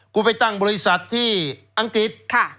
ไปตั้งบริษัทที่อังกฤษ